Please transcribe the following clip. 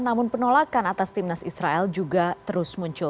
namun penolakan atas timnas israel juga terus muncul